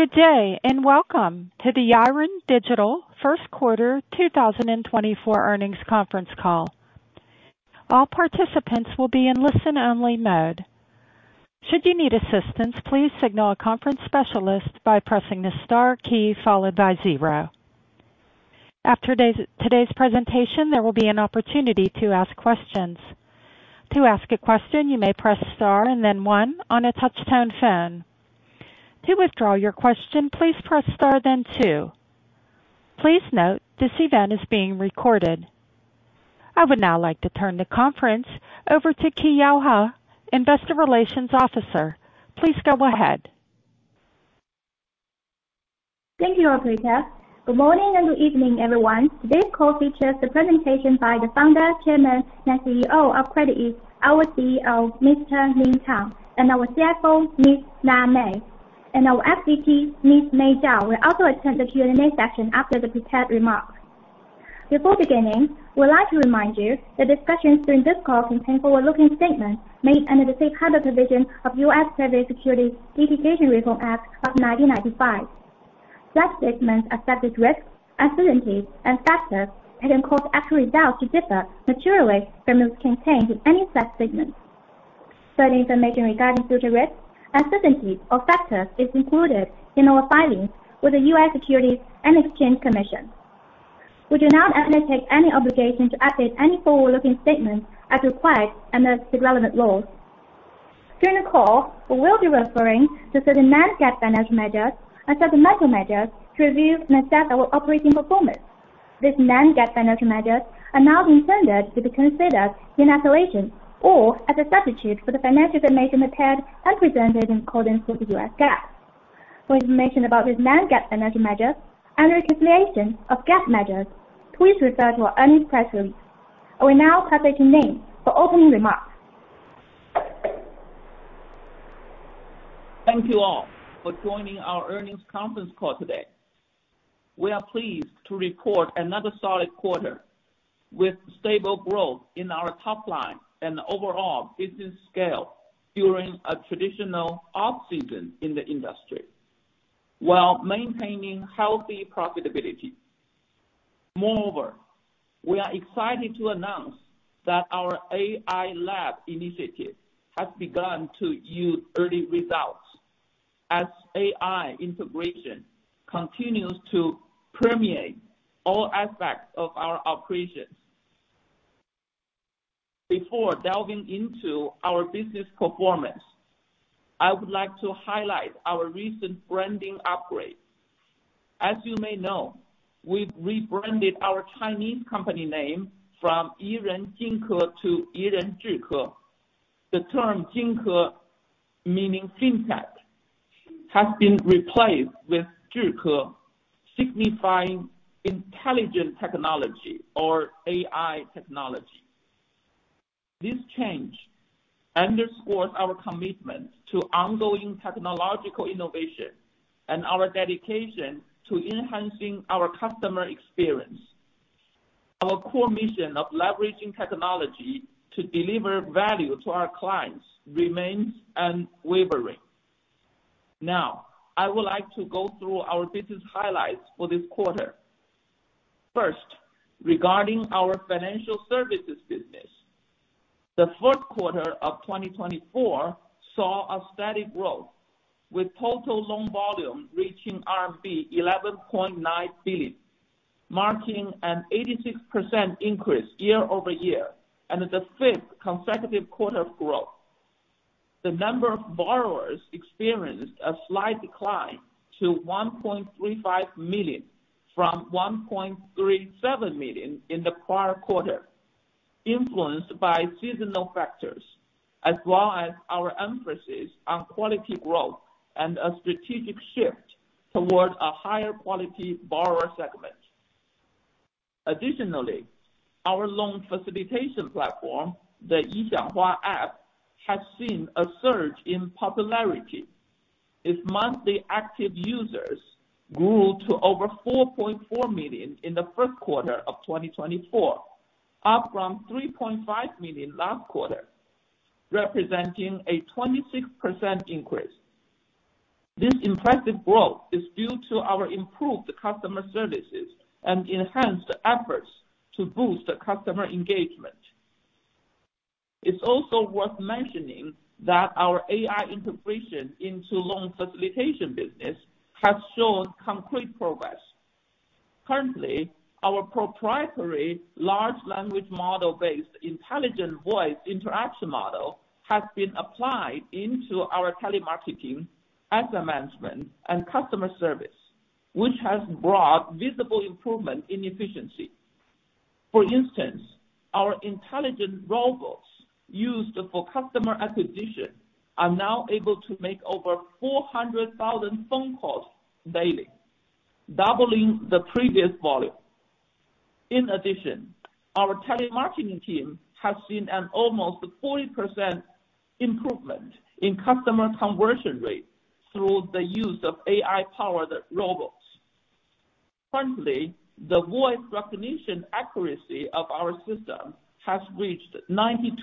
Good day, and welcome to the Yiren Digital First Quarter 2024 Earnings Conference Call. All participants will be in listen-only mode. Should you need assistance, please signal a conference specialist by pressing the star key followed by zero. After today's presentation, there will be an opportunity to ask questions. To ask a question, you may press Star and then one on a touch-tone phone. To withdraw your question, please press Star, then two. Please note, this event is being recorded. I would now like to turn the conference over to Keyao He, Investor Relations Officer. Please go ahead. Thank you, Operator. Good morning, and good evening, everyone. Today's call features the presentation by the Founder, Chairman, and CEO of CreditEase, our CEO, Mr. Ning Tang, and our CFO, Miss Na Mei, and our SVP, Miss Mei Zhao, will also attend the Q&A session after the prepared remarks. Before beginning, we'd like to remind you that discussions during this call contain forward-looking statements made under the safe harbor provision of U.S. Private Securities Litigation Reform Act of 1995. Such statements accepted risks, uncertainties, and factors that can cause actual results to differ materially from those contained in any such statements. Certain information regarding future risks, uncertainties, or factors is included in our filings with the U.S. Securities and Exchange Commission. We do not undertake any obligation to update any forward-looking statements as required under the relevant laws. During the call, we will be referring to certain non-GAAP financial measures and certain financial measures to review and assess our operating performance. These non-GAAP financial measures are not intended to be considered in isolation or as a substitute for the financial information prepared and presented in accordance with the U.S. GAAP. For information about these non-GAAP financial measures and reconciliation of GAAP measures, please refer to our earnings press release. I will now pass it to Ning for opening remarks. Thank you all for joining our earnings conference call today. We are pleased to report another solid quarter, with stable growth in our top line and overall business scale during a traditional off-season in the industry, while maintaining healthy profitability. Moreover, we are excited to announce that our AI Lab initiative has begun to yield early results as AI integration continues to permeate all aspects of our operations. Before delving into our business performance, I would like to highlight our recent branding upgrade. As you may know, we've rebranded our Chinese company name from Yiren Jinke to Yiren Zhike. The term Jinke, meaning fintech, has been replaced with Zhike, signifying intelligent technology or AI technology. This change underscores our commitment to ongoing technological innovation and our dedication to enhancing our customer experience. Our core mission of leveraging technology to deliver value to our clients remains unwavering. Now, I would like to go through our business highlights for this quarter. First, regarding our financial services business. The fourth quarter of 2024 saw a steady growth, with total loan volume reaching RMB 11.9 billion, marking an 86% increase year-over-year and the fifth consecutive quarter of growth. The number of borrowers experienced a slight decline to 1.35 million from 1.37 million in the prior quarter, influenced by seasonal factors, as well as our emphasis on quality growth and a strategic shift towards a higher quality borrower segment. Additionally, our loan facilitation platform, the Yixianghua app, has seen a surge in popularity. Its monthly active users grew to over 4.4 million in the first quarter of 2024, up from 3.5 million last quarter, representing a 26% increase. This impressive growth is due to our improved customer services and enhanced efforts to boost the customer engagement. It's also worth mentioning that our AI integration into loan facilitation business has shown concrete progress. Currently, our proprietary large language model-based intelligent voice interaction model has been applied into our telemarketing, asset management, and customer service, which has brought visible improvement in efficiency. For instance, our intelligent robots used for customer acquisition are now able to make over 400,000 phone calls daily, doubling the previous volume. In addition, our telemarketing team has seen an almost 40% improvement in customer conversion rate through the use of AI-powered robots. Currently, the voice recognition accuracy of our system has reached 92%,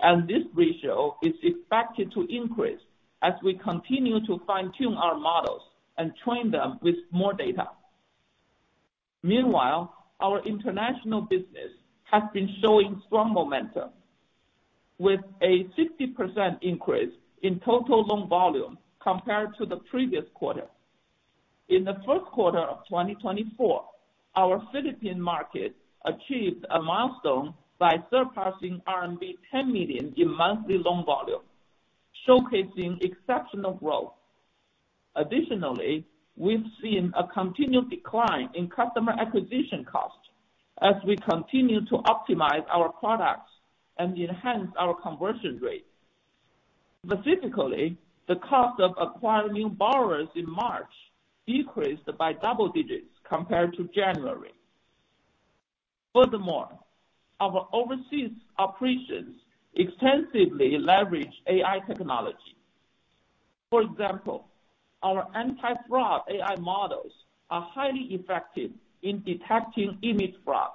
and this ratio is expected to increase as we continue to fine-tune our models and train them with more data. Meanwhile, our international business has been showing strong momentum, with a 60% increase in total loan volume compared to the previous quarter. In the first quarter of 2024, our Philippine market achieved a milestone by surpassing RMB 10 million in monthly loan volume, showcasing exceptional growth. Additionally, we've seen a continued decline in customer acquisition costs as we continue to optimize our products and enhance our conversion rate. Specifically, the cost of acquiring new borrowers in March decreased by double digits compared to January. Furthermore, our overseas operations extensively leverage AI technology. For example, our anti-fraud AI models are highly effective in detecting image fraud.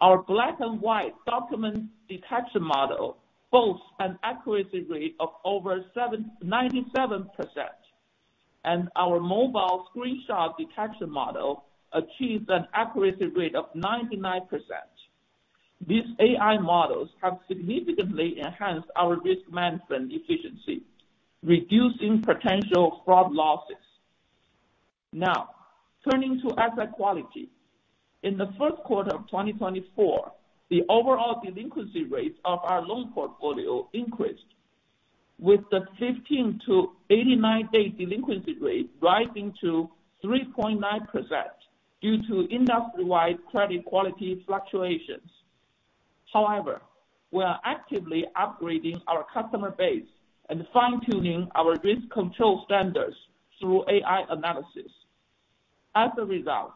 Our black and white document detection model boasts an accuracy rate of over 97%, and our mobile screenshot detection model achieves an accuracy rate of 99%. These AI models have significantly enhanced our risk management efficiency, reducing potential fraud losses. Now, turning to asset quality. In the first quarter of 2024, the overall delinquency rates of our loan portfolio increased, with the 15- 89-day delinquency rate rising to 3.9% due to industry-wide credit quality fluctuations. However, we are actively upgrading our customer base and fine-tuning our risk control standards through AI analysis. As a result,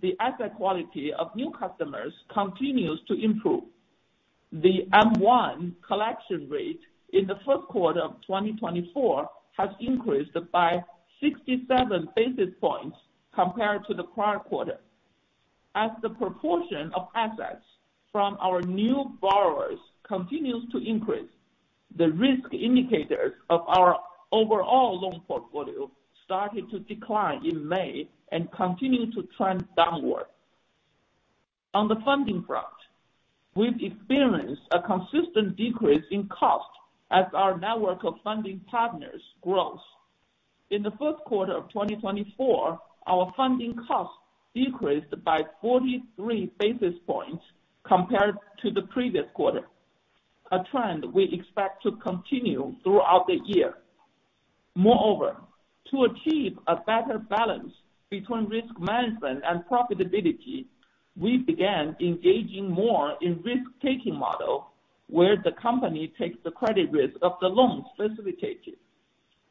the asset quality of new customers continues to improve. The M1 collection rate in the first quarter of 2024 has increased by 67 basis points compared to the prior quarter. As the proportion of assets from our new borrowers continues to increase, the risk indicators of our overall loan portfolio started to decline in May and continue to trend downward. On the funding front, we've experienced a consistent decrease in cost as our network of funding partners grows. In the first quarter of 2024, our funding costs decreased by 43 basis points compared to the previous quarter, a trend we expect to continue throughout the year. Moreover, to achieve a better balance between risk management and profitability, we began engaging more in risk-taking model, where the company takes the credit risk of the loans facilitated.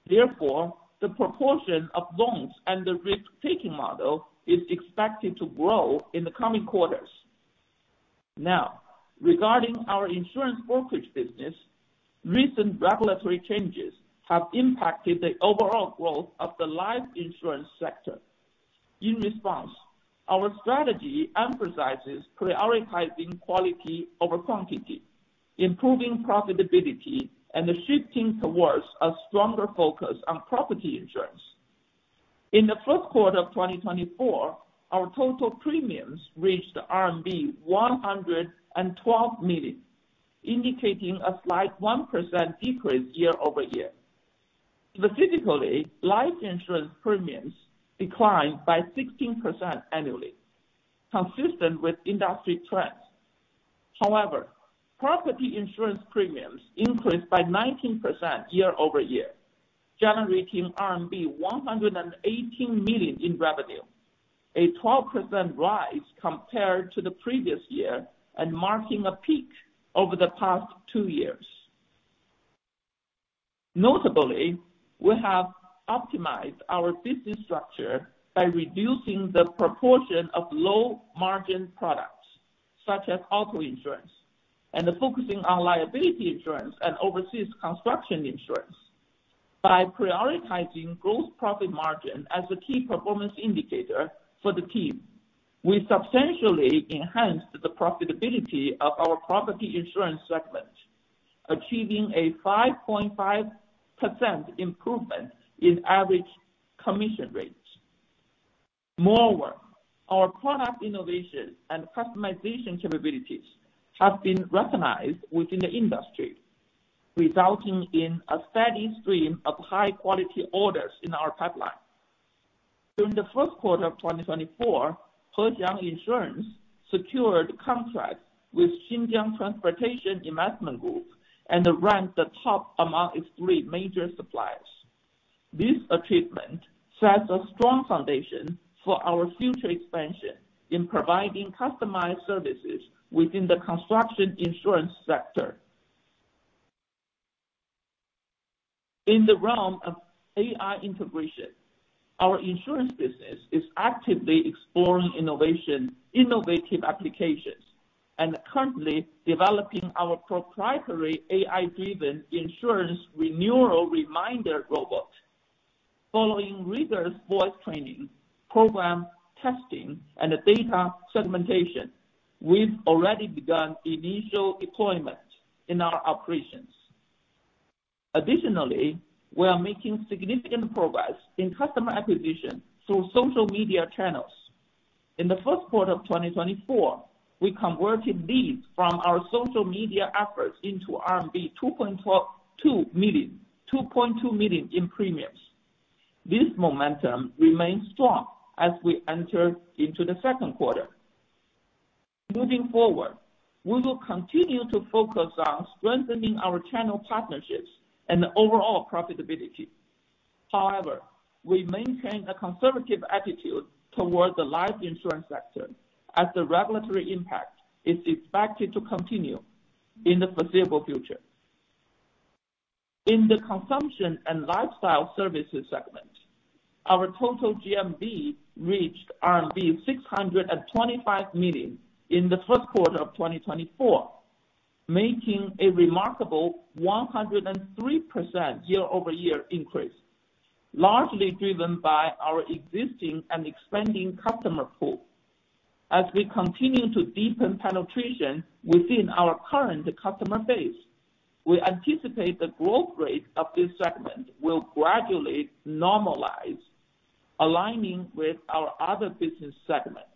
Therefore, the proportion of loans and the risk-taking model is expected to grow in the coming quarters. Now, regarding our insurance brokerage business, recent regulatory changes have impacted the overall growth of the life insurance sector. In response, our strategy emphasizes prioritizing quality over quantity, improving profitability, and shifting towards a stronger focus on property insurance. In the first quarter of 2024, our total premiums reached RMB 112 million, indicating a slight 1% decrease year-over-year. Specifically, life insurance premiums declined by 16% annually, consistent with industry trends. However, property insurance premiums increased by 19% year-over-year, generating RMB 118 million in revenue, a 12% rise compared to the previous year and marking a peak over the past 2 years. Notably, we have optimized our business structure by reducing the proportion of low-margin products, such as auto insurance, and focusing on liability insurance and overseas construction insurance. By prioritizing gross profit margin as a key performance indicator for the team, we substantially enhanced the profitability of our property insurance segment, achieving a 5.5% improvement in average commission rates. Moreover, our product innovation and customization capabilities have been recognized within the industry, resulting in a steady stream of high quality orders in our pipeline. During the first quarter of 2024, Hexiang Insurance secured contract with Xinjiang Transportation Investment Group and ranked the top among its three major suppliers. This achievement sets a strong foundation for our future expansion in providing customized services within the construction insurance sector. In the realm of AI integration, our insurance business is actively exploring innovative applications and currently developing our proprietary AI-driven insurance renewal reminder robot. Following rigorous voice training, program testing, and data segmentation, we've already begun initial deployment in our operations. Additionally, we are making significant progress in customer acquisition through social media channels. In the first quarter of 2024, we converted leads from our social media efforts into 2.2 million in premiums. This momentum remains strong as we enter into the second quarter. Moving forward, we will continue to focus on strengthening our channel partnerships and overall profitability. However, we maintain a conservative attitude towards the life insurance sector, as the regulatory impact is expected to continue in the foreseeable future. In the consumption and lifestyle services segment, our total GMV reached RMB 625 million in the first quarter of 2024, making a remarkable 103% year-over-year increase, largely driven by our existing and expanding customer pool. As we continue to deepen penetration within our current customer base, we anticipate the growth rate of this segment will gradually normalize, aligning with our other business segments.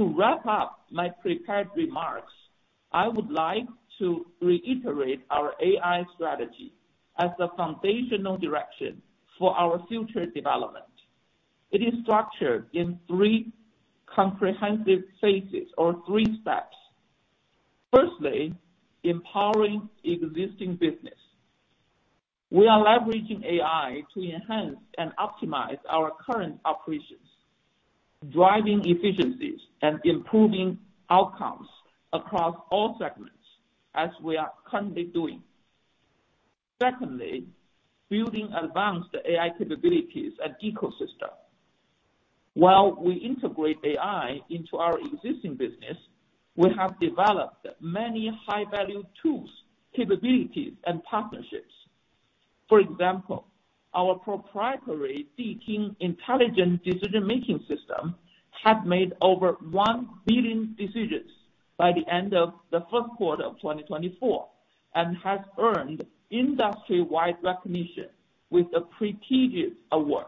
To wrap up my prepared remarks, I would like to reiterate our AI strategy as the foundational direction for our future development. It is structured in three comprehensive phases or three steps. Firstly, empowering existing business. We are leveraging AI to enhance and optimize our current operations, driving efficiencies and improving outcomes across all segments, as we are currently doing. Secondly, building advanced AI capabilities and ecosystem. While we integrate AI into our existing business, we have developed many high-value tools, capabilities, and partnerships. For example, our proprietary Z-Team Intelligent Decision-Making System has made over 1 billion decisions by the end of the first quarter of 2024, and has earned industry-wide recognition with a prestigious award.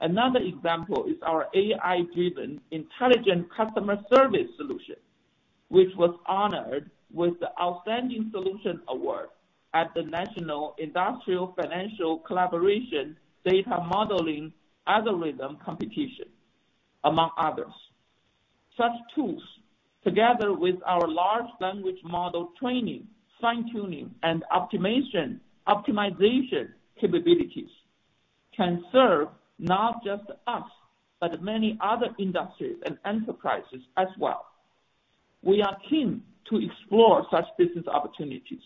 Another example is our AI-driven intelligent customer service solution, which was honored with the Outstanding Solution Award at the National Industrial Financial Collaboration Data Modeling Algorithm Competition, among others. Such tools, together with our large language model training, fine-tuning, and optimization, optimization capabilities, can serve not just us, but many other industries and enterprises as well. We are keen to explore such business opportunities.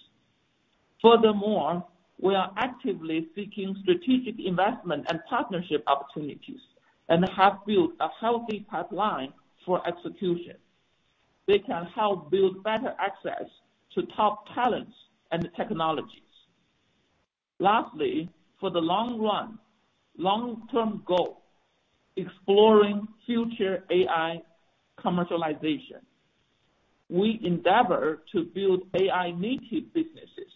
Furthermore, we are actively seeking strategic investment and partnership opportunities, and have built a healthy pipeline for execution. They can help build better access to top talents and technologies. Lastly, for the long run, long-term goal, exploring future AI commercialization. We endeavor to build AI-native businesses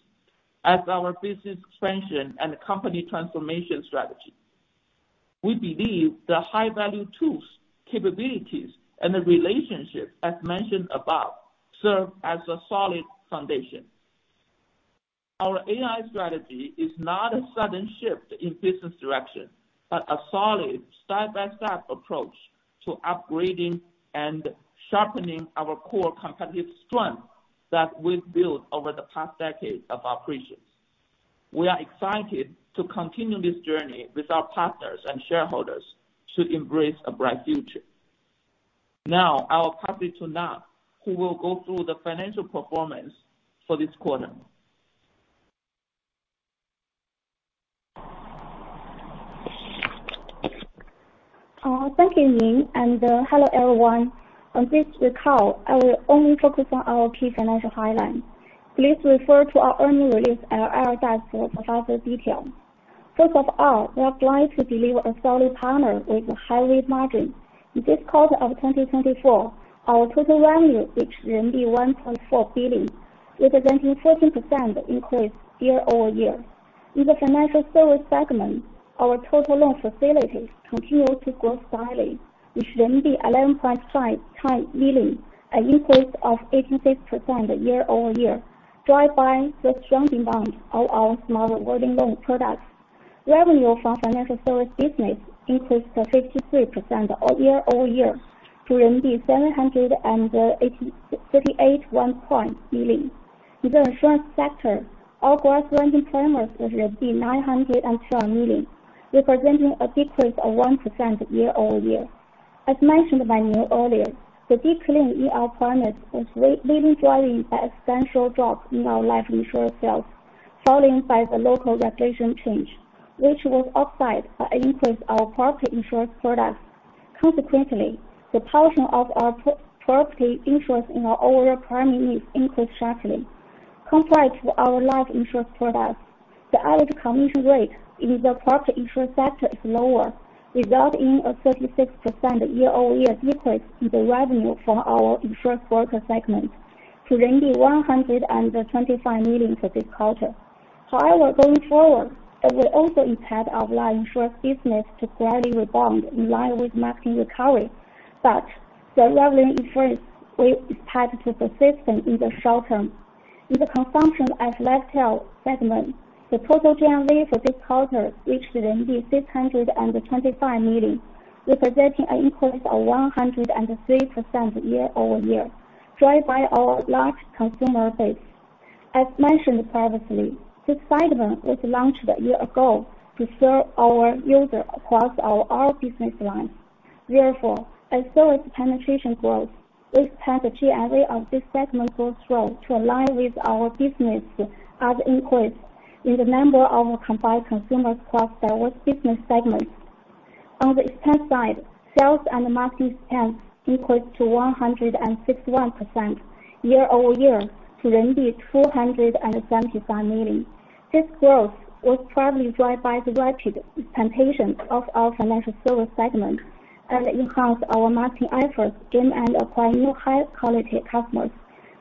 as our business expansion and company transformation strategy. We believe the high-value tools, capabilities, and the relationship, as mentioned above, serve as a solid foundation. Our AI strategy is not a sudden shift in business direction, but a solid side-by-side approach to upgrading and sharpening our core competitive strength that we've built over the past decade of operations. We are excited to continue this journey with our partners and shareholders to embrace a bright future. Now, I will pass it to Na, who will go through the financial performance for this quarter. Thank you, Ning, and hello, everyone. On this call, I will only focus on our key financial highlights. Please refer to our earnings release and our IR guide for further detail. First of all, we are glad to deliver a solid performance with high net margin. In this quarter of 2024, our total revenue reached RMB 1.4 billion, representing 14% increase year-over-year. In the financial service segment, our total loan facilitation continued to grow strongly, with CNY 11.5 billion, an increase of 18% year-over-year, driven by the strong demand of our small working loan products. Revenue from financial service business increased by 53% year-over-year to RMB 738.1 million. In the insurance sector, our gross lending premium was RMB 902 million, representing a decrease of 1% year-over-year. As mentioned by Ning earlier, the decline in our premium was mainly driven by a substantial drop in our life insurance sales falling by the local regulation change, which was offset by an increase of property insurance products. Consequently, the portion of our property insurance in our overall premium increased sharply. Compared to our life insurance products, the average commission rate in the property insurance sector is lower, resulting in a 36% year-over-year decrease in the revenue from our insurance broker segment to 125 million for this quarter. However, going forward, it will also impact our life insurance business to gradually rebound in line with market recovery. But the leveling insurance will impact the system in the short term. In the consumption and lifestyle segment, the total GMV for this quarter reached 625 million, representing an increase of 103% year-over-year, driven by our large consumer base. As mentioned previously, this segment was launched a year ago to serve our users across all our business lines. Therefore, as service penetration grows, we expect the GMV of this segment will grow to align with our business as increase in the number of combined consumers across various business segments. On the expense side, sales and marketing expense increased to 161% year-over-year to 275 million. This growth was primarily driven by the rapid expansion of our financial service segment and enhanced our marketing efforts gain and acquire new high-quality customers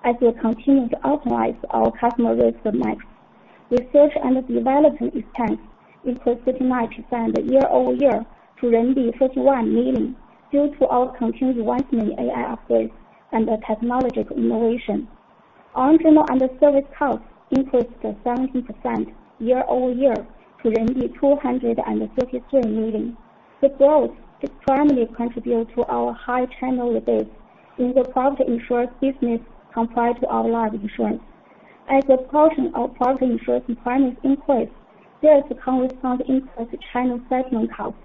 as we continue to optimize our customer risk mix. Research and development expense increased 59% year-over-year to 51 million, due to our continued investment in AI upgrades and technological innovation. Origination and servicing costs increased 17% year-over-year to RMB 253 million. The growth is primarily contributed to our high channel base in the property insurance business compared to our life insurance. As the portion of property insurance and premiums increase, there is a corresponding increase to channel segment costs.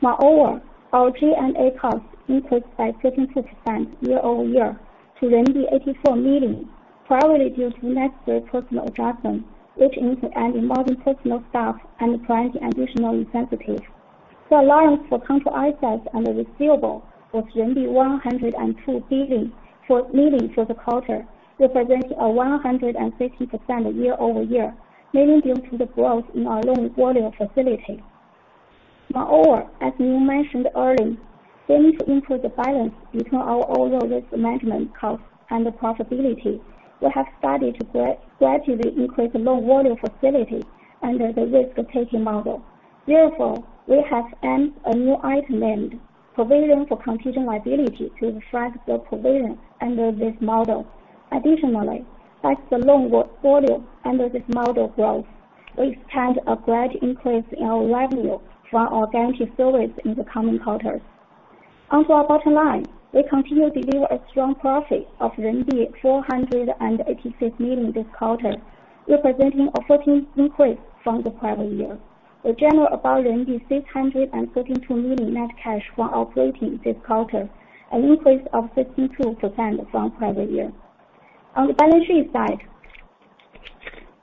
Moreover, our G&A costs increased by 52% year-over-year to 84 million, primarily due to necessary personnel adjustment, which include adding more personnel staff and providing additional incentives. The allowance for contract assets and receivables was 102 million for the quarter, representing a 150% year-over-year, mainly due to the growth in our loan facilitation. Moreover, as Ning mentioned earlier, we need to increase the balance between our overall risk management costs and the profitability. We have started to gradually increase the loan volume facility under the risk-taking model. Therefore, we have added a new item named provision for contingent liability to reflect the provision under this model. Additionally, as the loan volume under this model grows, we expect a great increase in our revenue from our guarantee service in the coming quarters. Onto our bottom line, we continue to deliver a strong profit of RMB 486 million this quarter, representing a 14% increase from the prior year. We generate about 632 million net cash for operating this quarter, an increase of 52% from prior year. On the balance sheet side,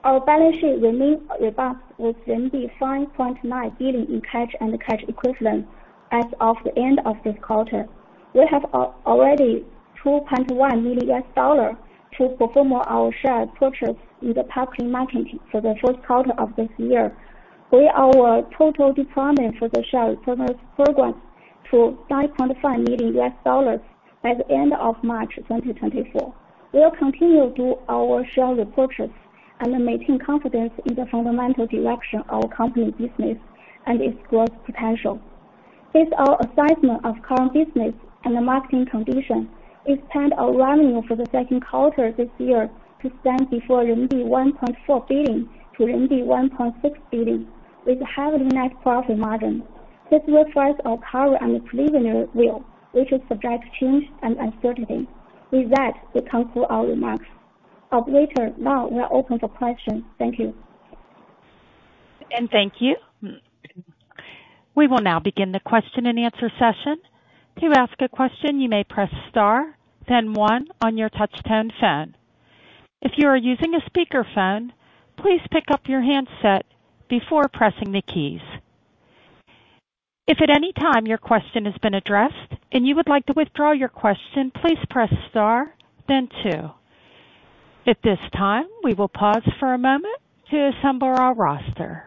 our balance sheet remains robust with 5.9 billion in cash and cash equivalents as of the end of this quarter. We have already $2.1 million to perform our share purchase in the public market for the first quarter of this year, with our total requirement for the share purchase program to $5.5 million by the end of March 2024. We'll continue to do our share repurchase and maintain confidence in the fundamental direction of our company business and its growth potential. With our assessment of current business and the market condition, we expect our revenue for the second quarter this year to stand before 1.4 billion-1.6 billion RMB, with a healthy net profit margin. This reflects our current and preliminary view, which is subject to change and uncertainty. With that, we conclude our remarks. Operator, now we are open for questions. Thank you. Thank you. We will now begin the question-and-answer session. To ask a question, you may press star then one on your touchtone phone. If you are using a speakerphone, please pick up your handset before pressing the keys. If at any time your question has been addressed and you would like to withdraw your question, please press star then two. At this time, we will pause for a moment to assemble our roster.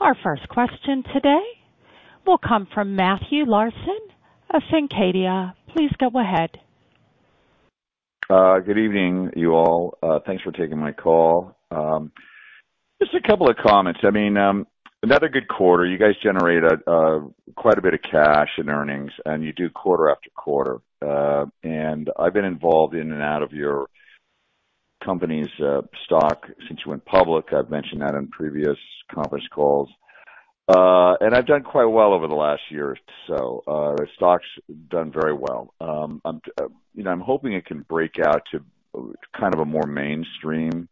Our first question today will come from Matthew Larson of Fincadia. Please go ahead. Good evening, you all. Thanks for taking my call. Just a couple of comments. I mean, another good quarter. You guys generated quite a bit of cash and earnings, and you do quarter-after-quarter. I've been involved in and out of your company's stock since you went public. I've mentioned that on previous conference calls. I've done quite well over the last year or so. Your stock's done very well. I'm, you know, I'm hoping it can break out to kind of a more mainstream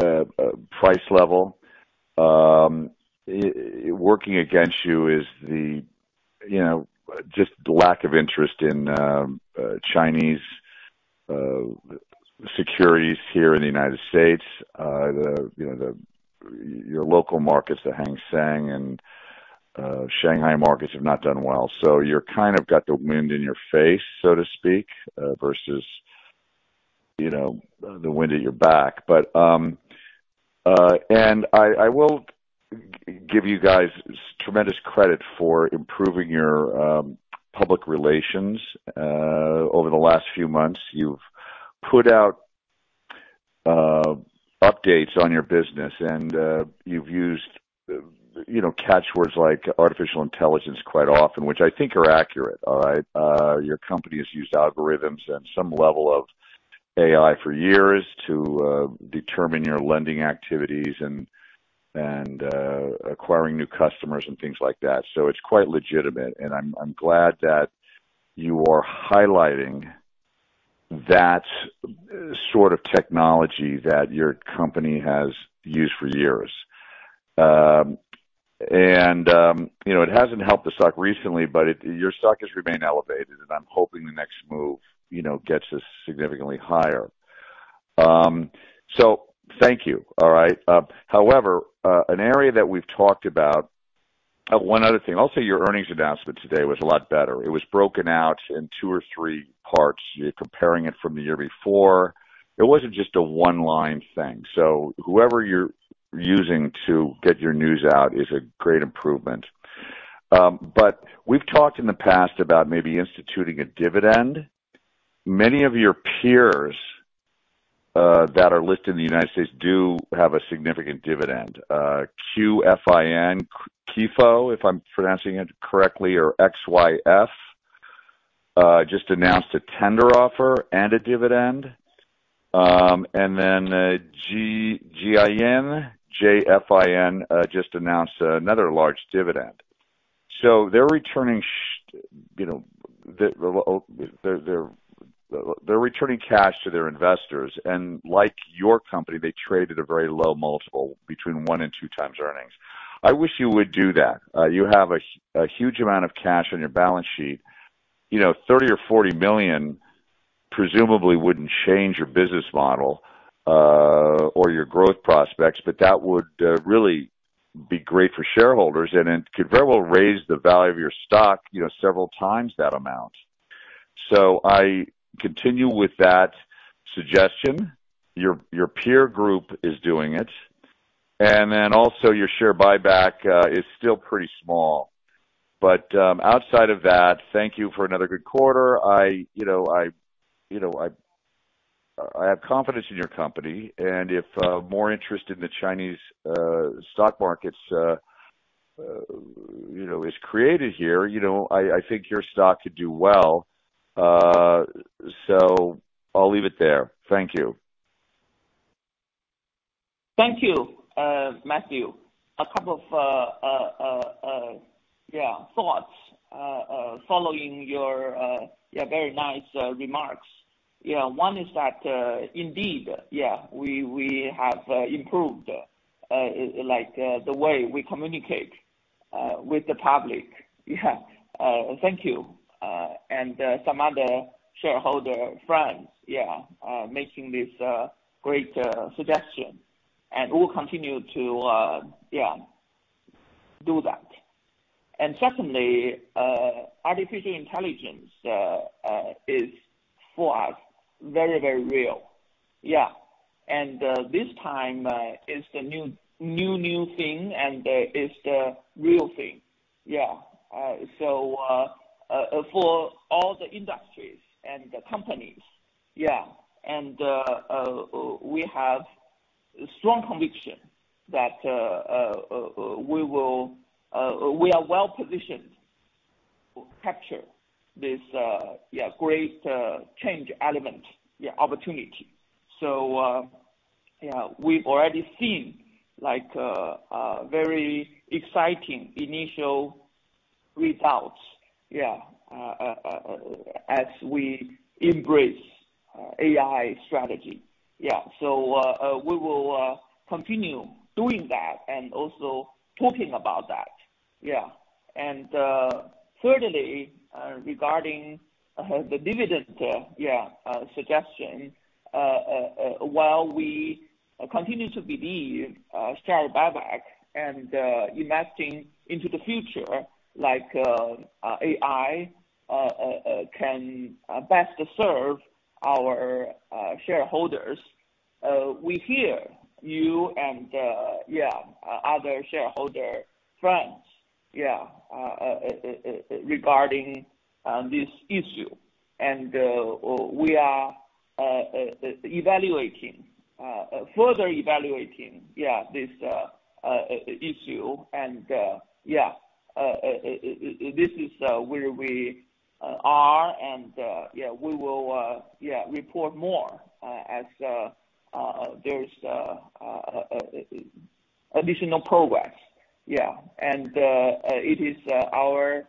price level. Working against you is the, you know, just the lack of interest in Chinese securities here in the United States. You know, your local markets, the Hang Seng and Shanghai markets have not done well. So you're kind of got the wind in your face, so to speak, versus, you know, the wind at your back. But, and I, I will give you guys tremendous credit for improving your public relations over the last few months. You've put out updates on your business and you've used, you know, catchwords like artificial intelligence quite often, which I think are accurate. All right? Your company has used algorithms and some level of AI for years to determine your lending activities and, and, acquiring new customers and things like that. So it's quite legitimate, and I'm, I'm glad that you are highlighting that sort of technology that your company has used for years. And, you know, it hasn't helped the stock recently, but your stock has remained elevated, and I'm hoping the next move, you know, gets us significantly higher. So thank you, all right? However, an area that we've talked about. One other thing, also, your earnings announcement today was a lot better. It was broken out in two or three parts. You're comparing it from the year before. It wasn't just a one-line thing. So whoever you're using to get your news out is a great improvement. But we've talked in the past about maybe instituting a dividend. Many of your peers that are listed in the United States do have a significant dividend. QFIN, Qifu, if I'm pronouncing it correctly, or XYF, just announced a tender offer and a dividend. And then, Jiayin, JFIN, just announced another large dividend. So they're returning, you know, they're returning cash to their investors, and like your company, they trade at a very low multiple between one and two times earnings. I wish you would do that. You have a huge amount of cash on your balance sheet. You know, $30 million or $40 million presumably wouldn't change your business model, or your growth prospects, but that would really be great for shareholders, and it could very well raise the value of your stock, you know, several times that amount. So I continue with that suggestion. Your peer group is doing it, and then also your share buyback is still pretty small. But outside of that, thank you for another good quarter. You know, I have confidence in your company, and if more interest in the Chinese stock markets is created here, you know, I think your stock could do well. So I'll leave it there. Thank you. Thank you, Matthew. A couple of thoughts following your very nice remarks. You know, one is that indeed we have improved, like, the way we communicate with the public. Thank you and some other shareholder friends making this great suggestion. And we'll continue to do that. And secondly, artificial intelligence is for us very, very real. And this time, it's the new, new, new thing, and it's the real thing. So, for all the industries and the companies, and we have strong conviction that we are well positioned to capture this great change element, opportunity. So, yeah, we've already seen like, a very exciting initial results, yeah, as we embrace AI strategy. Yeah. So, we will continue doing that and also talking about that. Yeah. And, thirdly, regarding the dividend suggestion, while we continue to believe share buyback and investing into the future, like, AI, can best serve our shareholders, we hear you and, yeah, other shareholder friends, yeah, regarding this issue, and, we are evaluating, further evaluating, yeah, this issue. And, yeah, this is where we are, and, yeah, we will, yeah, report more, as there's additional progress. Yeah. It is our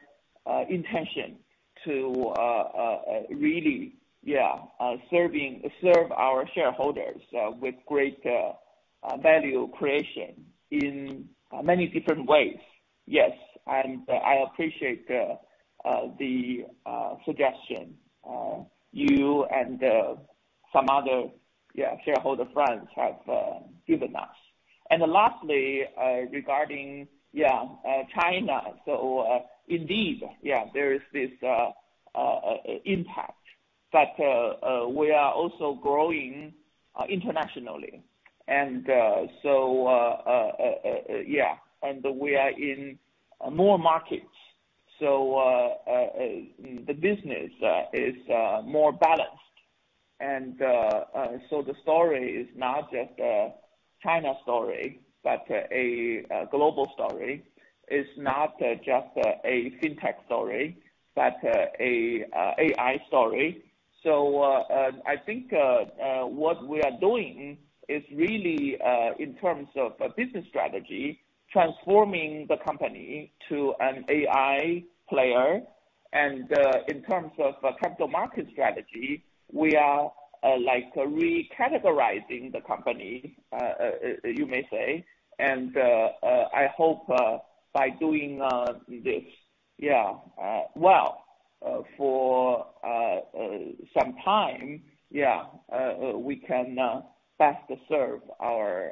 intention to really serve our shareholders with great value creation in many different ways. Yes, and I appreciate the suggestion you and some other shareholder friends have given us. Lastly, regarding China, so indeed there is this impact, but we are also growing internationally. And so we are in more markets. So the business is more balanced. And so the story is not just a China story, but a global story. It's not just a fintech story, but an AI story. I think what we are doing is really, in terms of a business strategy, transforming the company to an AI player. In terms of a capital market strategy, we are, like, recategorizing the company, you may say. I hope, by doing this, yeah, well, for some time, yeah, we can best serve our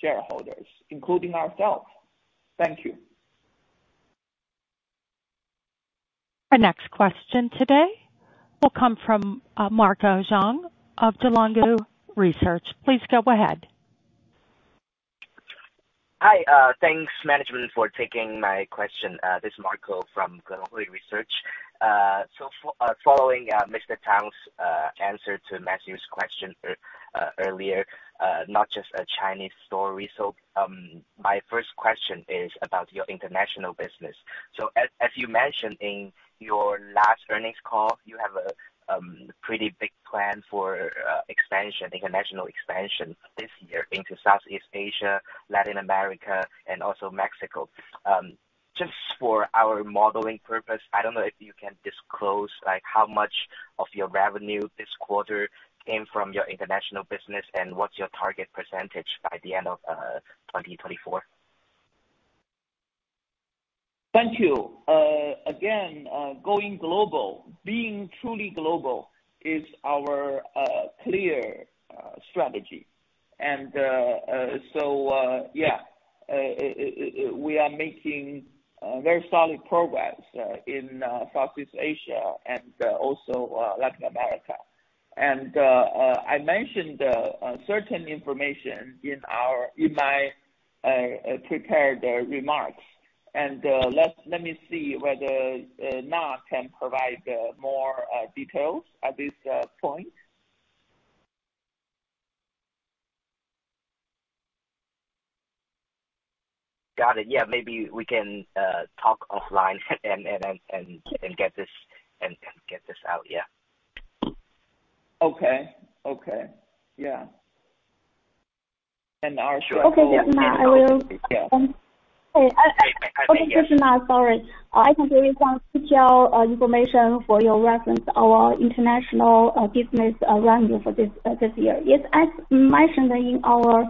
shareholders, including ourselves. Thank you. Our next question today will come from, Marco Zhang of Gelonghui Research. Please go ahead. Hi, thanks, management, for taking my question. This is Marco from Gelonghui Research. So following Mr. Tang's answer to Matthew's question earlier, not just a Chinese story. So my first question is about your international business. So as you mentioned in your last earnings call, you have a pretty big plan for expansion, international expansion this year into Southeast Asia, Latin America, and also Mexico. Just for our modeling purpose, I don't know if you can disclose, like, how much of your revenue this quarter came from your international business, and what's your target percentage by the end of 2024? Thank you. Again, going global, being truly global is our clear strategy. And so yeah, we are making very solid progress in Southeast Asia and also Latin America. And I mentioned certain information in our, in my prepared remarks. And let me see whether Na can provide more details at this point. Got it. Yeah. Maybe we can talk offline and get this out. Yeah. Okay. Okay. Yeah. And our share- Okay, yes, now I will... Yeah. Hey, I- I think, yes. Sorry. I can give you some detail, information for your reference, our international business revenue for this year. Yes, as mentioned in our,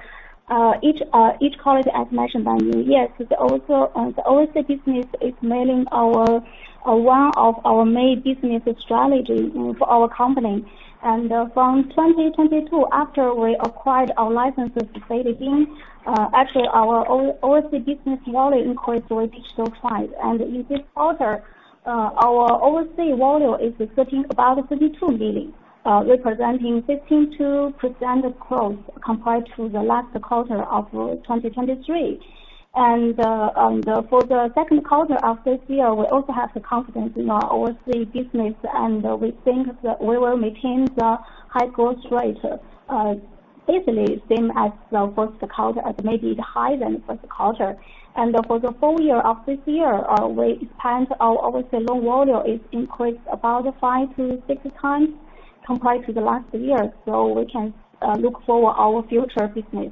each, each colleague has mentioned on you, yes, also, the overseas business is mainly our, one of our main business strategy for our company. From 2022, after we acquired our licenses to Philippines, actually our overseas business volume increased by 5x. In this quarter, our overseas volume is 32 million, representing 52% growth compared to the last quarter of 2023. For the second quarter of this year, we also have the confidence in our overseas business, and we think that we will maintain the high growth rate, basically same as the first quarter, and maybe higher than first quarter. For the full year of this year, we planned our overseas loan volume is increased about five, six times compared to the last year, so we can look forward our future business.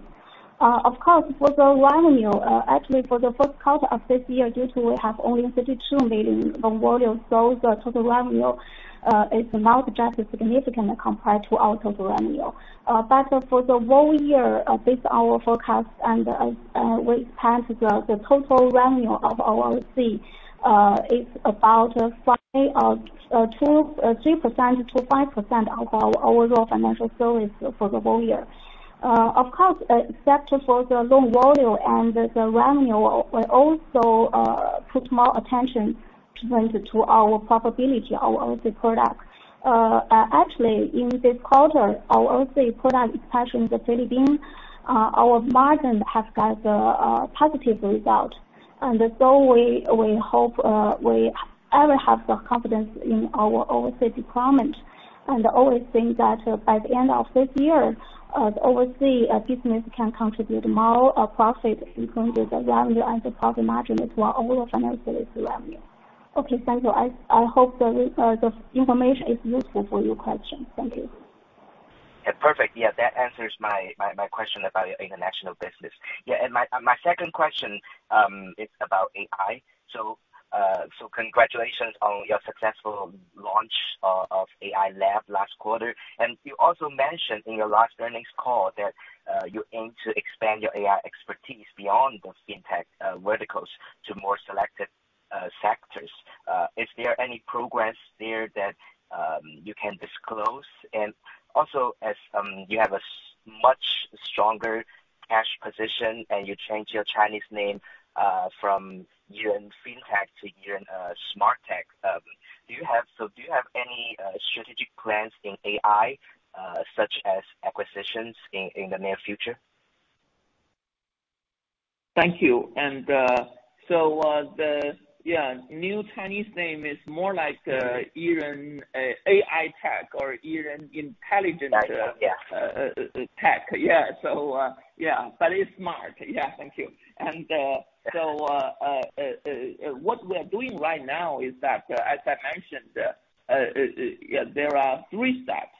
Of course, for the revenue, actually, for the first quarter of this year, due to we have only 32 million volume, so the total revenue is not just significant compared to our total revenue. But for the whole year, based on our forecast and as we planned, the total revenue of our overseas is about 2%-3% to 5% of our overall financial service for the whole year. Of course, except for the loan volume and the revenue, we also put more attention to, to our profitability of the product. Actually, in this quarter, our overseas product, especially in the Philippines, our margin has got a positive result. And so we, we hope, we ever have the confidence in our overseas department... and I always think that, by the end of this year, the overseas business can contribute more profit in terms of the revenue and the profit margin as well, overall financial revenue. Okay, thank you. I hope the information is useful for your question. Thank you. Yeah, perfect. Yeah, that answers my question about your international business. Yeah, and my second question is about AI. So, congratulations on your successful launch of AI Lab last quarter. And you also mentioned in your last earnings call that you aim to expand your AI expertise beyond the fintech verticals to more selected sectors. Is there any progress there that you can disclose? And also, as you have a much stronger cash position and you change your Chinese name from Yiren Fintech to Yiren Smart Tech, do you have any strategic plans in AI, such as acquisitions in the near future? Thank you. So, yeah, the new Chinese name is more like Yiren AI Tech or Yiren Intelligent. Yeah. Tech. Yeah. So, yeah, but it's smart. Yeah, thank you. And, so, what we are doing right now is that, as I mentioned, yeah, there are three steps.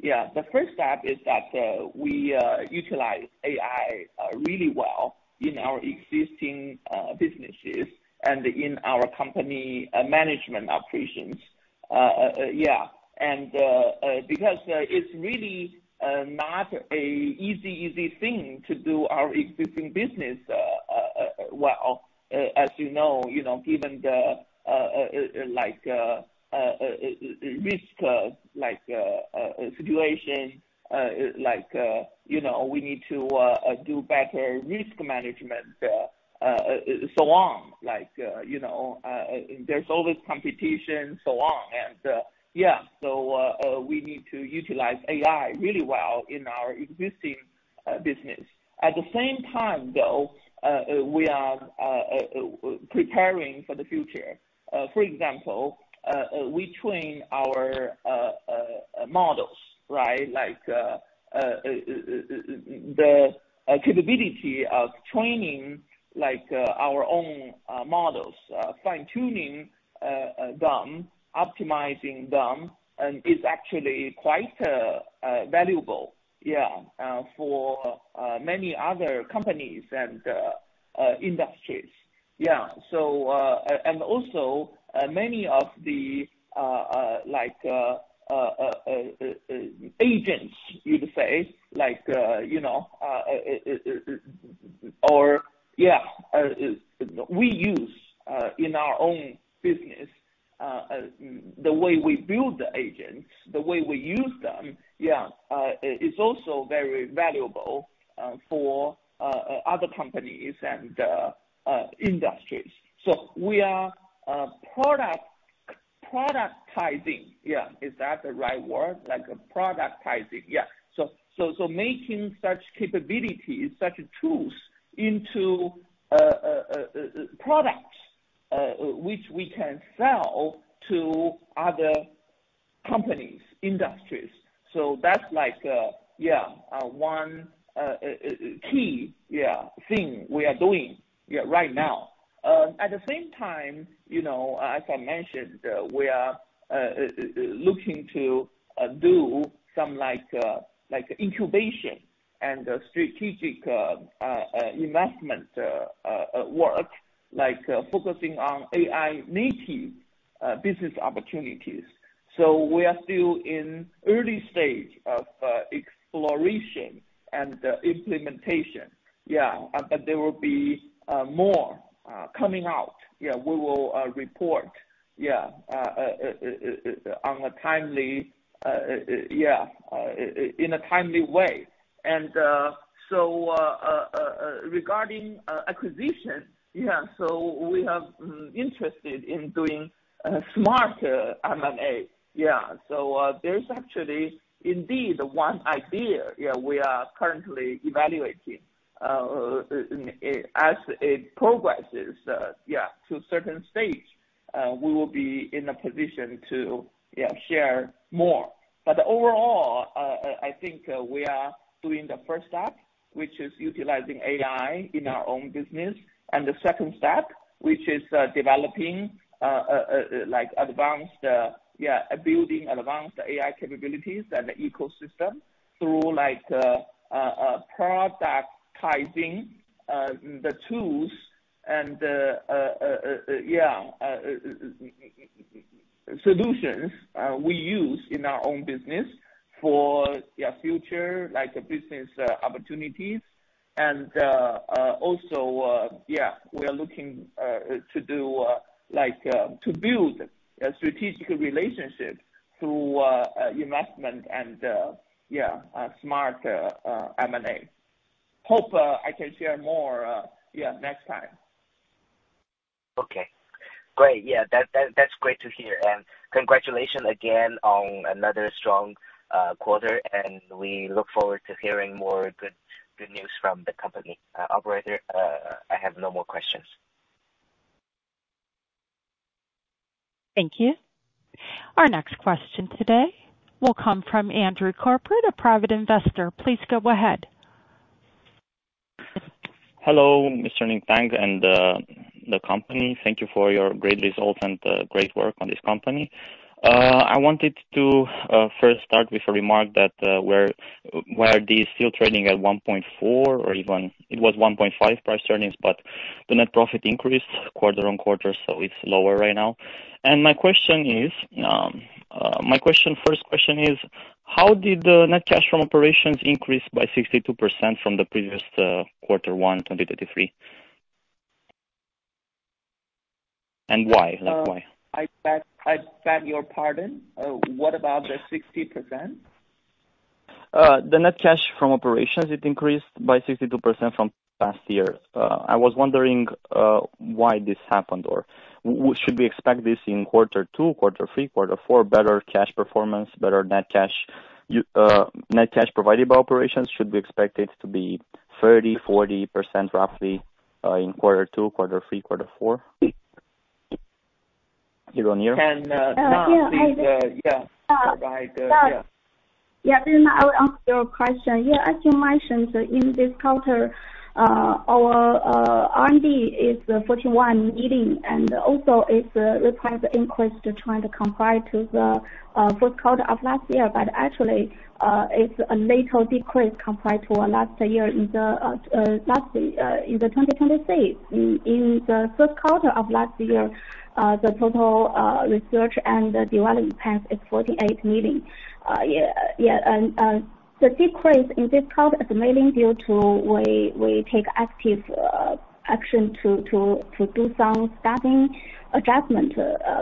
Yeah, the first step is that we utilize AI really well in our existing businesses and in our company management operations. Yeah, and because it's really not an easy, easy thing to do our existing business well, as you know, you know, given the like risk situation, like you know, there's always competition, so on. Yeah, so, we need to utilize AI really well in our existing business. At the same time, though, we are preparing for the future. For example, we train our models, right? Like, the capability of training like our own models, fine-tuning them, optimizing them, and is actually quite valuable, yeah, for many other companies and industries. Yeah. So, and also, many of the like agents, you'd say, like, you know, or, yeah, we use in our own business, the way we build the agents, the way we use them, yeah, is also very valuable for other companies and industries. So we are productizing. Is that the right word? Like, productizing. So making such capabilities, such tools into products which we can sell to other companies, industries. So that's like one key thing we are doing right now. At the same time, you know, as I mentioned, we are looking to do some like incubation and strategic investment work, like focusing on AI native business opportunities. So we are still in early stage of exploration and implementation. But there will be more coming out. We will report in a timely way. Regarding acquisition, yeah, so we have interested in doing smart M&A. Yeah, so, there's actually indeed one idea, yeah, we are currently evaluating, as it progresses, yeah, to a certain stage, we will be in a position to, yeah, share more. But overall, I think, we are doing the first step, which is utilizing AI in our own business, and the second step, which is developing like advanced, yeah, building advanced AI capabilities and ecosystem through like productizing the tools and the, yeah, solutions we use in our own business for, yeah, future like business opportunities. And also, yeah, we are looking to do, like, to build a strategic relationship through investment and, yeah, smart M&A. Hope I can share more, yeah, next time. Okay, great. Yeah, that's great to hear. And congratulations again on another strong quarter, and we look forward to hearing more good, good news from the company. Operator, I have no more questions. Thank you. Our next question today will come from Andrew Corbett, a private investor. Please go ahead. Hello, Mr. Ning Tang, and the company. Thank you for your great results and great work on this company. I wanted to first start with a remark that where are these still trading at 1.4, or even it was 1.5 price earnings, but the net profit increased quarter-over-quarter, so it's lower right now. And my question is, my question, first question is: How did the net cash from operations increase by 62% from the previous quarter one, 2023? And why? Like, why? I beg your pardon. What about the 60%? The net cash from operations, it increased by 62% from last year. I was wondering, why this happened, or should we expect this in quarter two, quarter three, quarter four, better cash performance, better net cash? Net cash provided by operations, should we expect it to be 30%, 40% roughly, in quarter two, quarter three, quarter four? Year-on-year. Can... Yeah. Uh, yeah. Yeah. Yeah, then I will answer your question. Yeah, as you mentioned, in this quarter, our R&D is 41 million, and also it requires increase to trying to compare to the fourth quarter of last year. But actually, it's a little decrease compared to last year in the last, in the 2023. In the first quarter of last year, the total research and the development plan is 48 million. And the decrease in this quarter is mainly due to we take active action to do some staffing adjustment.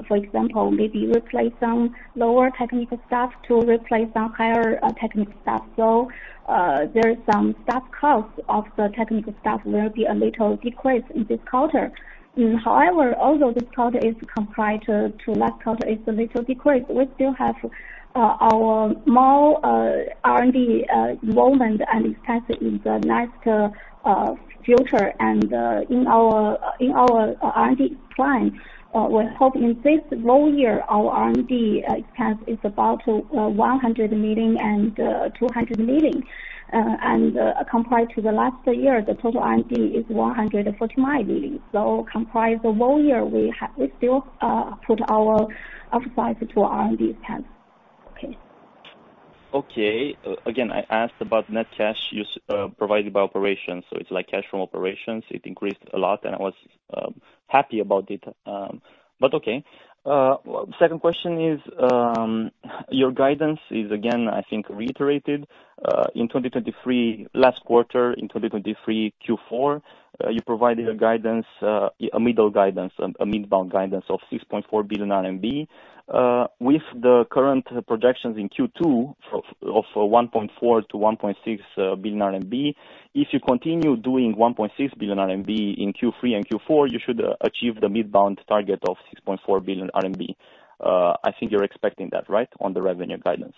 For example, maybe replace some lower technical staff to replace some higher technical staff. So there is some staff cost of the technical staff will be a little decrease in this quarter. Mm, however, although this quarter is compared to last quarter, it's a little decrease, we still have our more R&D involvement and expense in the next future. In our R&D plan, we hope in this whole year, our R&D expense is about 100 million and 200 million. Compared to last year, the total R&D is 149 million. So compared the whole year, we have—we still put our inaudible to R&D spend. Okay. Okay. Again, I asked about net cash use provided by operations, so it's like cash from operations. It increased a lot, and I was happy about it. But okay. Second question is, your guidance is, again, I think, reiterated, in 2023, last quarter, in 2023 Q4, you provided a guidance, a middle guidance, a mid-bound guidance of 6.4 billion RMB. With the current projections in Q2 of 1.4 billion-1.6 billion RMB, if you continue doing 1.6 billion RMB in Q3 and Q4, you should achieve the mid-bound target of 6.4 billion RMB. I think you're expecting that, right? On the revenue guidance.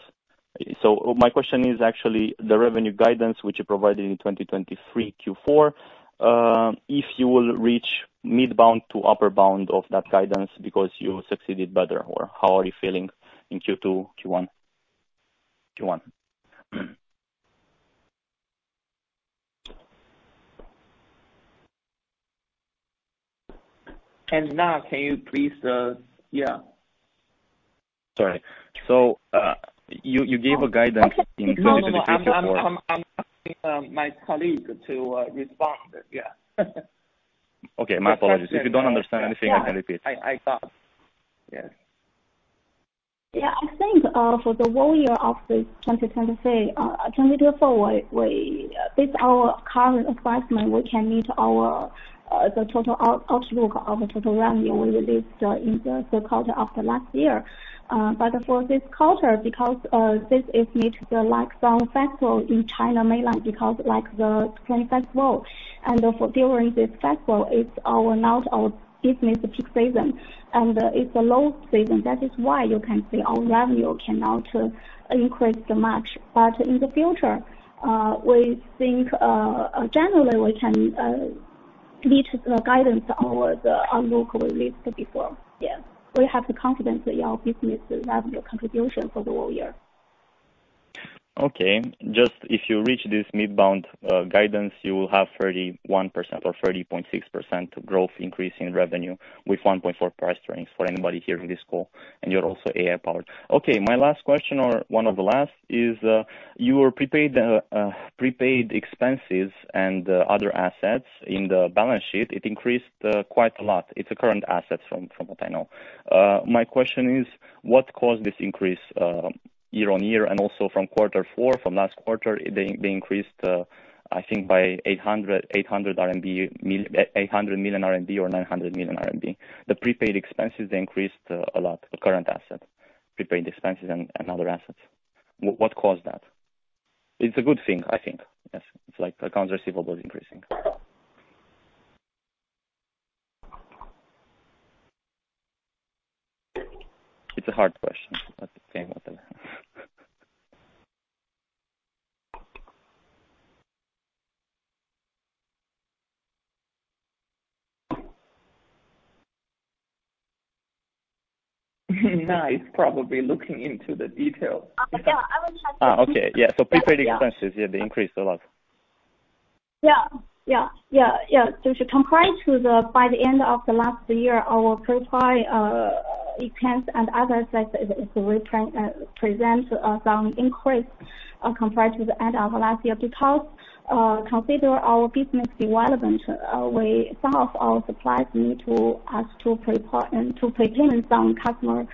So my question is actually the revenue guidance, which you provided in 2023 Q4, if you will reach mid-bound to upper bound of that guidance because you succeeded better, or how are you feeling in Q2, Q1? Q1. Na, can you please... Yeah. Sorry. So, you gave a guidance in 2023 Q4- No, no, no. I'm my colleague to respond. Yeah. Okay, my apologies. If you don't understand anything, I can repeat. I thought... Yes. Yeah, I think, for the whole year of this 2023, 2024, with our current assessment, we can meet our, the total outlook of the total revenue we released, in the quarter of the last year. But for this quarter, because, this is the like summer festival in China mainland, because like the Spring Festival, and during this festival, it's not our business peak season, and it's a low season. That is why you can say our revenue cannot increase that much. But in the future, we think, generally, we can meet the guidance or the outlook we released before. Yeah, we have the confidence that our business revenue contribution for the whole year. Okay, just if you reach this mid-bound guidance, you will have 31% or 30.6% growth increase in revenue with 1.4 price range for anybody here in this call, and you're also AI-powered. Okay, my last question or one of the last is your prepaid expenses and other assets in the balance sheet. It increased quite a lot. It's a current asset from what I know. My question is, what caused this increase year-on-year and also from quarter four, last quarter? They increased, I think by 800 million RMB or 900 million RMB. The prepaid expenses, they increased a lot, the current asset, prepaid expenses and other assets. What caused that? It's a good thing, I think. Yes, it's like accounts receivable is increasing. It's a hard question, but okay, whatever.... Na is probably looking into the details. Yeah, I will check that. Okay. Yeah, so pre-trading expenses, yeah, they increased a lot. Yeah, yeah, yeah, yeah. So compared to the end of last year, our prepaid expense and other assets present some increase compared to the end of last year. Because consider our business development, some of our suppliers need to prepay some customer.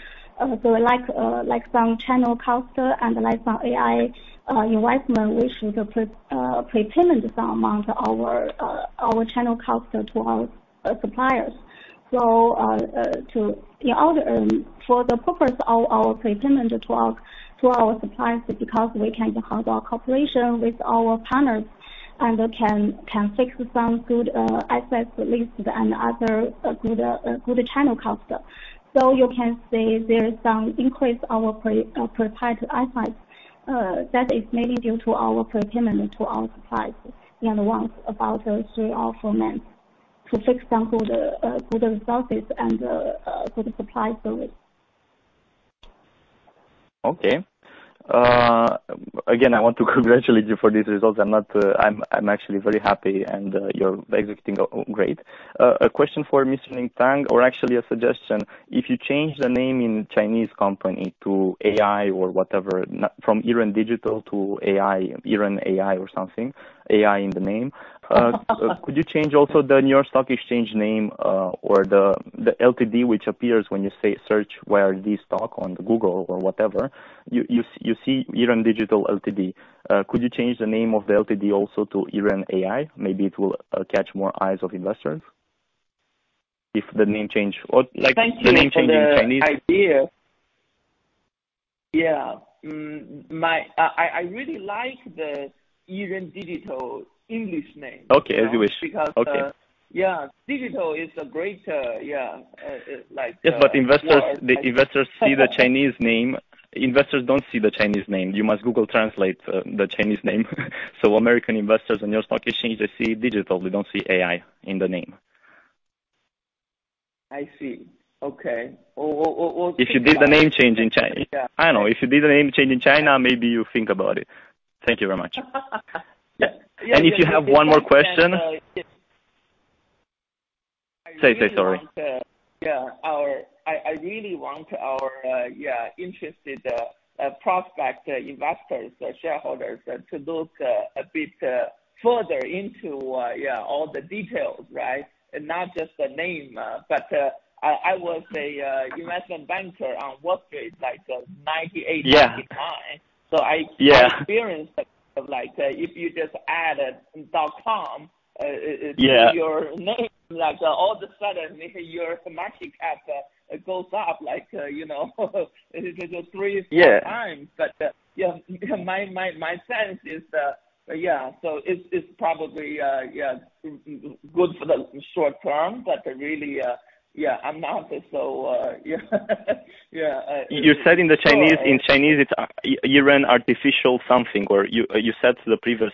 So like, like some channel customer and like some AI investment, we should prepayment some amount our channel customer to our suppliers. So in order for the purpose of our prepayment to our suppliers, because we can have our cooperation with our partners and can fix some good access list and other good channel customer. So you can say there is some increase our prepaid items. That is mainly due to our prepayment to our suppliers, and once about three or four months, to fix some good, good results and, good supply service. Okay. Again, I want to congratulate you for these results. I'm actually very happy, and you're executing great. A question for Mr. Ning Tang, or actually a suggestion: If you change the name in Chinese company to AI or whatever, not from Yiren Digital to AI, Yiren AI or something, AI in the name. Could you change also the New York Stock Exchange name, or the LTD, which appears when you say search where this stock on Google or whatever, you see Yiren Digital LTD. Could you change the name of the LTD also to Yiren AI? Maybe it will catch more eyes of investors. If the name change or like- Thank you for the- The name change in Chinese. idea. Yeah. I really like the Yiren Digital English name. Okay, as you wish. Because, uh- Okay. Yeah. Digital is a great, yeah, like- Yes, but investors, the investors see the Chinese name. Investors don't see the Chinese name. You must Google Translate the Chinese name. So American investors on your stock exchange, they see digital, they don't see AI in the name. I see. Okay. We'll think about it. If you did the name change in China- Yeah. I don't know. If you did the name change in China, maybe you think about it. Thank you very much. Yeah. Yeah. If you have one more question? Yeah. Sorry. Yeah. I really want our interested prospective investors, shareholders to look a bit further into all the details, right? And not just the name, but I was an investment banker on Wall Street, like 1998- Yeah... 99. So I- Yeah... I experienced, like, if you just add a. com, it- Yeah... your name, like, all of a sudden, your market cap, goes up, like, you know, it could go three- Yeah... times. But yeah, my sense is yeah, so it's probably yeah good for the short term, but really yeah, I'm not so yeah. Yeah. You said in the Chinese, in Chinese, it's Yiren artificial something, or you said to the previous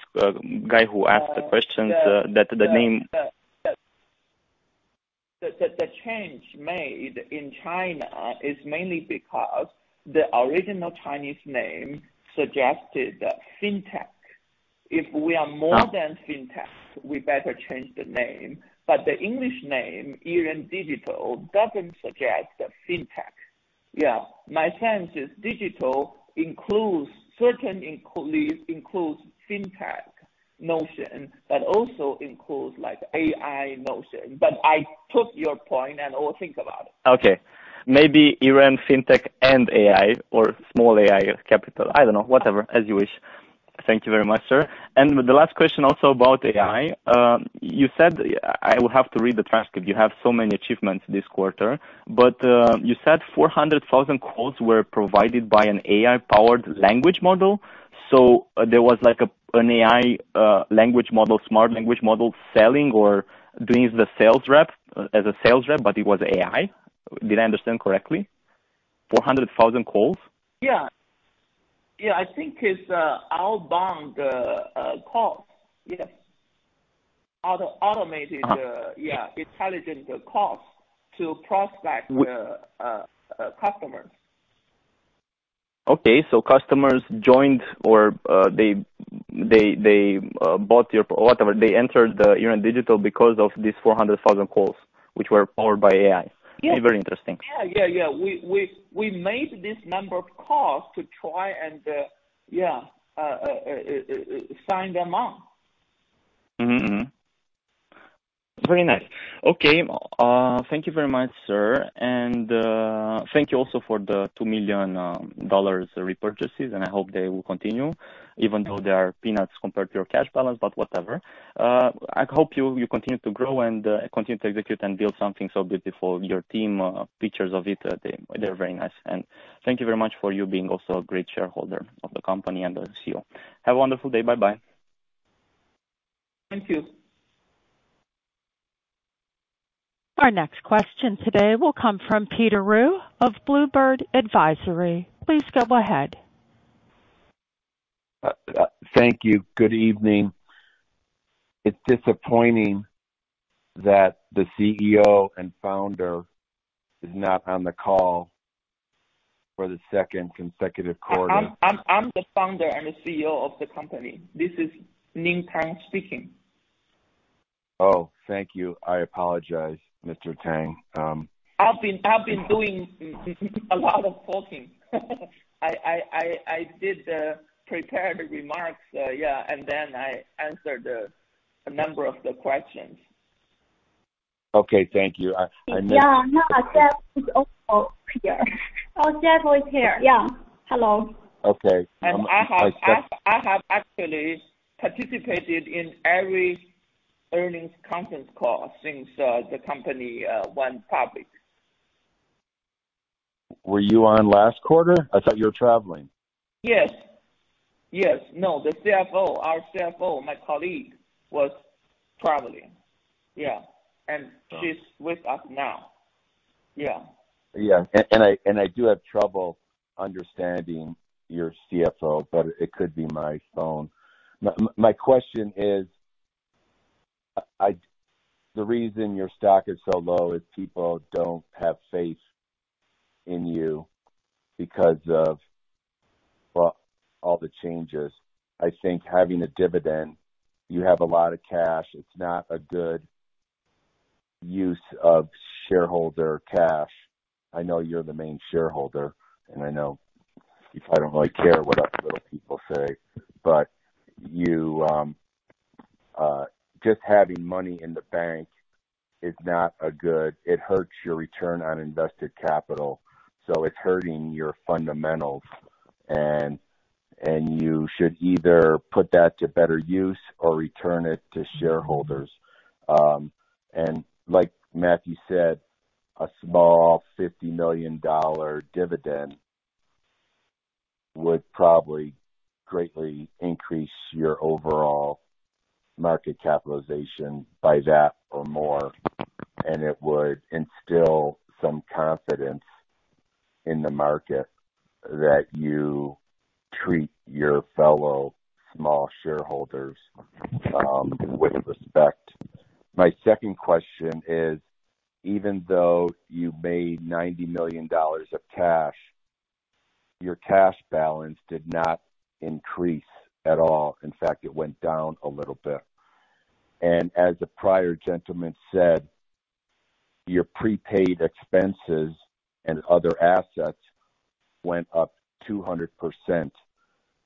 guy who asked the questions- Uh... that the name- The change made in China is mainly because the original Chinese name suggested fintech. If we are more- Ah. than Fintech, we better change the name. But the English name, Yiren Digital, doesn't suggest Fintech. Yeah. My sense is digital includes, certainly includes Fintech notion, but also includes, like, AI notion. But I took your point, and I will think about it. Okay. Maybe Yiren Fintech and AI or small AI capital. I don't know, whatever, as you wish. Thank you very much, sir. And the last question also about AI. Yeah. You said... I will have to read the transcript. You have so many achievements this quarter, but you said 400,000 calls were provided by an AI-powered language model. So there was like a, an AI language model, smart language model, selling or doing the sales rep, as a sales rep, but it was AI? Did I understand correctly, 400,000 calls? Yeah. Yeah, I think it's outbound call. Yeah. Automated- Uh-... yeah, intelligent calls to prospect customers. Okay. So customers joined or, they bought your... or whatever, they entered the Yiren Digital because of these 400,000 calls, which were powered by AI? Yeah. Very interesting. Yeah, yeah, yeah. We made this number of calls to try and sign them on. Mm-hmm. Very nice. Okay. Thank you very much, sir. And thank you also for the $2 million repurchases, and I hope they will continue, even though they are peanuts compared to your cash balance, but whatever. I hope you continue to grow and continue to execute and build something so beautiful. Your team features of it, they, they're very nice. And thank you very much for you being also a great shareholder of the company and the CEO. Have a wonderful day. Bye-bye. Thank you. Our next question today will come from Peter Ruh of Bluebird Advisory. Please go ahead. Thank you. Good evening. It's disappointing that the CEO and founder is not on the call for the second consecutive quarter. I'm the founder and the CEO of the company. This is Ning Tang speaking. Oh, thank you. I apologize, Mr. Tang. I've been doing a lot of talking. I did prepare the remarks, yeah, and then I answered a number of the questions. Okay. Thank you. Yeah, no, Jeff is also here. Our Jeff is here. Yeah. Hello. Okay. I have actually participated in every earnings conference call since the company went public. Were you on last quarter? I thought you were traveling. Yes. Yes. No, the CFO, our CFO, my colleague, was traveling. Yeah, and she's with us now. Yeah. Yeah, and I do have trouble understanding your CFO, but it could be my phone. My question is, the reason your stock is so low is people don't have faith in you because of, well, all the changes. I think having a dividend, you have a lot of cash. It's not a good use of shareholder cash. I know you're the main shareholder, and I know you probably don't really care what other people say, but you just having money in the bank is not a good... It hurts your return on invested capital, so it's hurting your fundamentals. And you should either put that to better use or return it to shareholders. And like Matthew said, a small $50 million dividend would probably greatly increase your overall market capitalization by that or more, and it would instill some confidence in the market that you treat your fellow small shareholders with respect. My second question is, even though you made $90 million of cash, your cash balance did not increase at all. In fact, it went down a little bit. And as the prior gentleman said, your prepaid expenses and other assets went up 200%.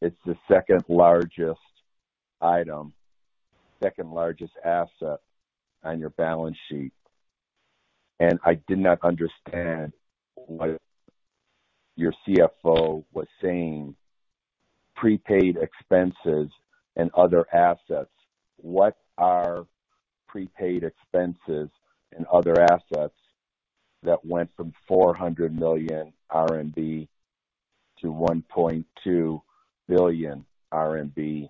It's the second largest item, second largest asset on your balance sheet, and I did not understand what your CFO was saying, prepaid expenses and other assets. What are prepaid expenses and other assets that went from 400 million RMB to 1.2 billion RMB,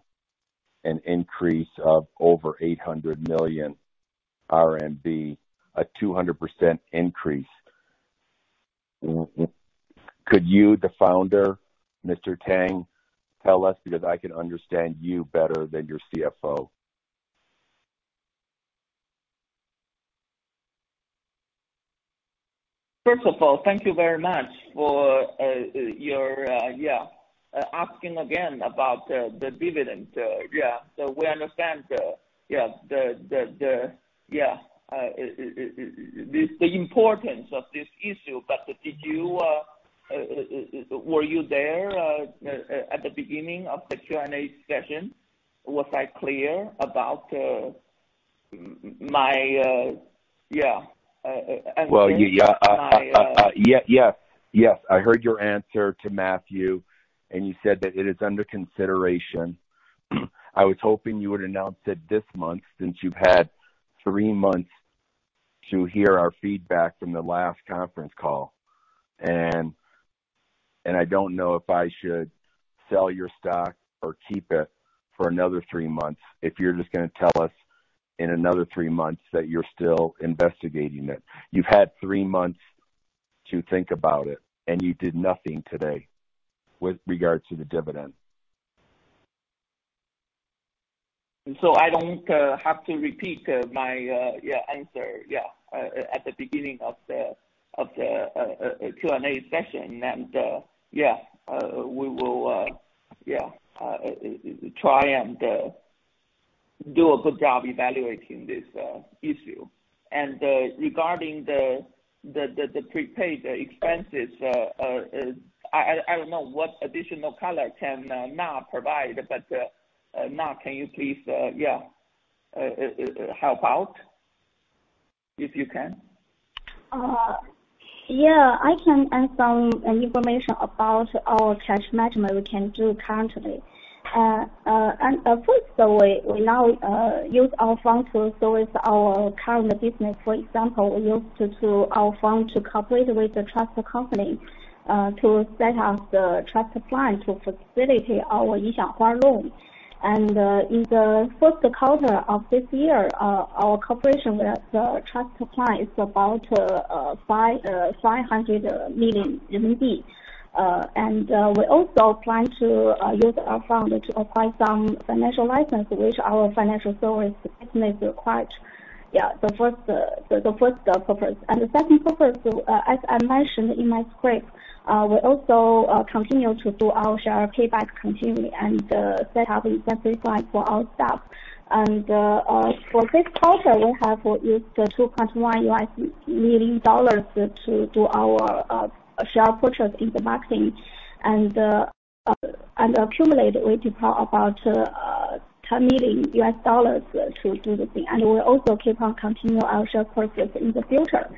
an increase of over 800 million RMB, a 200% increase? Could you, the founder, Mr. Tang, tell us? Because I can understand you better than your CFO. First of all, thank you very much for asking again about the dividend. So we understand the importance of this issue. But were you there at the beginning of the Q&A session? Was I clear about my Well, yeah, yes, yes, yes, I heard your answer to Matthew, and you said that it is under consideration. I was hoping you would announce it this month, since you've had three months to hear our feedback from the last conference call. And, and I don't know if I should sell your stock or keep it for another three months, if you're just going to tell us in another three months that you're still investigating it. You've had three months to think about it, and you did nothing today with regard to the dividend. So I don't have to repeat my answer at the beginning of the Q&A session. And we will try and do a good job evaluating this issue. And regarding the prepaid expenses, I don't know what additional color Na can provide, but Na, can you please help out, if you can? Yeah, I can add some information about our cash management we can do currently. And of course, the way we now use our funds to service our current business. For example, we use our fund to cooperate with the trust company to set up the trust plan to facilitate our Yixianghua loan. And in the first quarter of this year, our cooperation with trust company is about 500 million RMB. And we also plan to use our fund to apply some financial license, which our financial service business required. Yeah, the first purpose. And the second purpose, as I mentioned in my script, we also continue to do our share buyback and set up incentive plan for our staff. For this quarter, we have used $2.1 million to do our share purchase in the market, and accumulate, we deploy about $10 million to do the thing. We'll also keep on continue our share purchase in the future.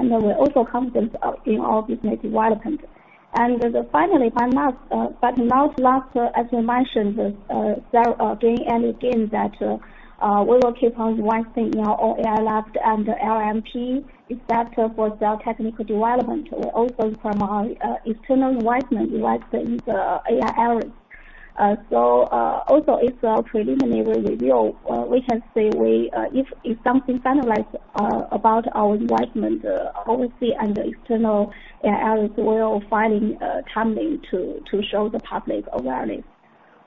We're also confident of in our business development. Then finally, but last, but not last, as I mentioned, there during annual gain that we will keep on investing in our AI Lab and LLM is better for self-technical development. We're also from our external investment, like, in the AI areas. So also, it's a preliminary review. We can say we if something finalized about our investment, obviously, and the external AI, we'll finding timely to show the public awareness.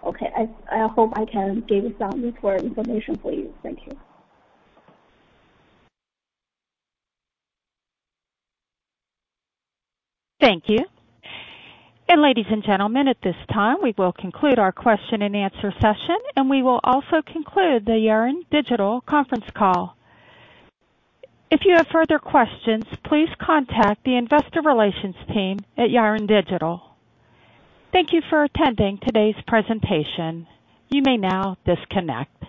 Okay. I hope I can give some more information for you. Thank you. Thank you. And ladies and gentlemen, at this time, we will conclude our question and answer session, and we will also conclude the Yiren Digital conference call. If you have further questions, please contact the investor relations team at Yiren Digital. Thank you for attending today's presentation. You may now disconnect.